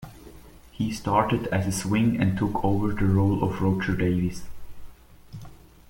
He started as a swing and took over the role of Roger Davis.